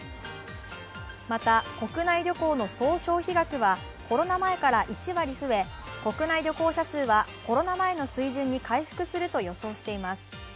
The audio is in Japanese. また、国内旅行の総消費額はコロナ前から１割増え国内旅行者数はコロナ前の水準に回復すると予想しています。